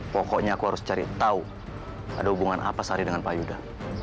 pokoknya aku harus cari tahu ada hubungan apa sari dengan pak yuda